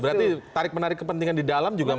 berarti tarik menarik kepentingan di dalam juga